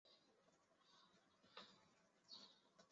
自己的亲生孩子